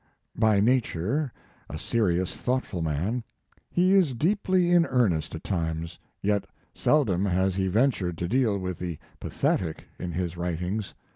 By nature, a serious, thoughtful man, he is deeply in earnest at times, yet sel dom has he ventured to deal with the pathetic in his writings.